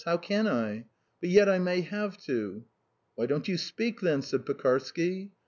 How can I? But yet I may have to." "Why don't you speak, then?" said Pekarsky.